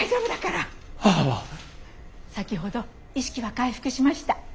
先ほど意識は回復しました。